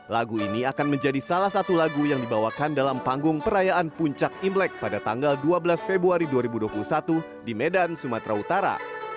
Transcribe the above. lagu ini akan menjadi salah satu lagu yang dibawakan dalam panggung perayaan puncak imlek pada tanggal dua belas februari dua ribu dua puluh satu di medan sumatera utara